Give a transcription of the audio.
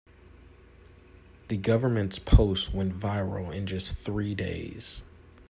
The government's post went viral in just three days.